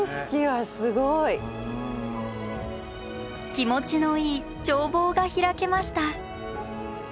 気持ちのいい眺望が開けました。